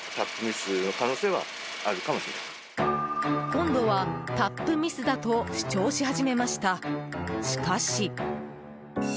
［今度はタップミスだと主張し始めました］